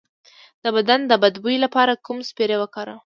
د بدن د بد بوی لپاره کوم سپری وکاروم؟